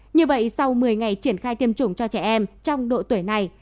như vậy sau một mươi ngày triển khai tiêm chủng cho trẻ em trong độ tuổi này